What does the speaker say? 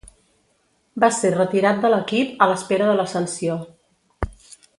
Va ser retirat de l'equip a l'espera de la sanció.